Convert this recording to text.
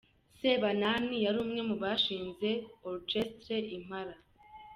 Sebanani yari umwe mu bashinze Orchestre Impala.